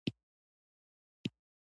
لعل د افغانستان د کلتوري میراث برخه ده.